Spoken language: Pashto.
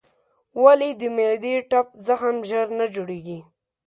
ولې د معدې ټپ زخم ژر نه جوړېږي؟